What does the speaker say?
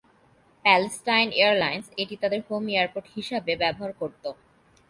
Palestine airlines এটি তাদের home airport হিসাবে ব্যবহার করত।